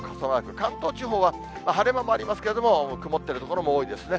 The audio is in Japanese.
関東地方は晴れ間もありますけれども、曇ってる所も多いですね。